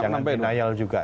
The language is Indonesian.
jangan denial juga